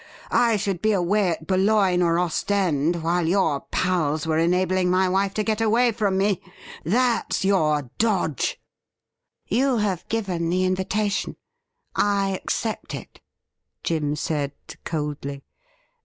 I should be away at Boulogne or Ostend while your pals were enabling my wife to get away from me. That's your dodge !'' You have given the invitation ; I accept it,' Jim said coldly.